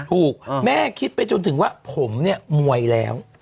แม่คิดไปจนถึงว่าผมเนี่ยมวยแล้ว